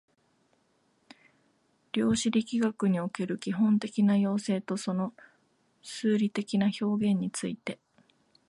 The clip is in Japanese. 量子力学における基本的な要請とその数理的な表現について